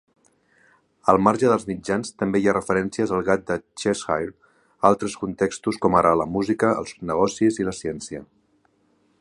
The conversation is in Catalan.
Al marge dels mitjans, també hi ha referències al Gat de Cheshire altres contextos, com ara la música, els negocis i la ciència.